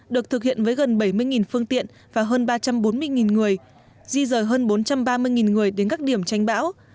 được thực hiện với gần bảy mươi phương tiện và hơn ba trăm bốn mươi người di rời hơn bốn trăm ba mươi người đến các điểm tranh bão